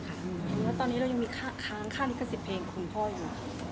หรือว่าตอนนี้เรายังมีค่าลิขสิทธิ์เพลงของคุณพ่ออยู่หรือ